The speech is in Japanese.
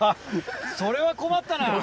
それは困ったな。